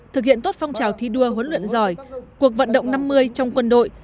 thực hiện tốt phong trào thi đua huấn luyện giỏi cuộc vận động năm mươi trong quân đội